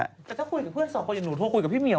แต่ถ้าคุยกับเพื่อนสองคนอย่างหนูโทรคุยกับพี่เหมียว